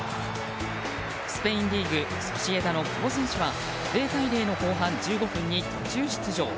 スペインリーグ、ソシエダの久保選手は０対０の後半１５分に途中出場。